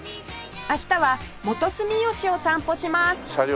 明日は元住吉を散歩します